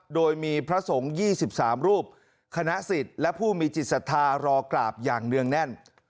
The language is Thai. โดยมีพระสงฆ์๒๓รูปคณะสิทธิ์และผู้มีจิตศรัทธารอกราบอย่างเนื่องแน่น